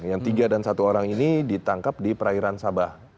yang tiga dan satu orang ini ditangkap di perairan sabah